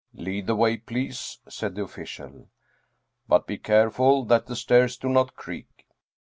" Lead the way, please," said the official. " But be care ful that the stairs do not creak."